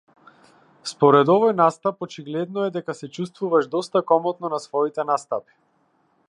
Според овој настап очигледно е дека се чувствуваш доста комотно на своите настапи.